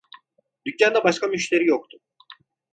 Dükkanda başka müşteri yoktu.